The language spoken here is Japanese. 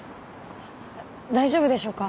大丈夫でしょうか？